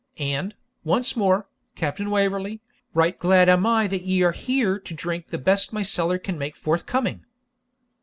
And, once more, Captain Waverley, right glad am I that ye are here to drink the best my cellar can make forthcoming.'